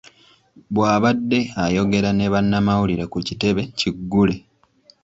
Bw'abadde ayogerako ne bannamawulire ku kitebe kiggule.